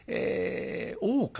大岡